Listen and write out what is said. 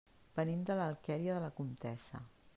Venim de l'Alqueria de la Comtessa.